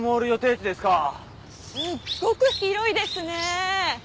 すっごく広いですねえ。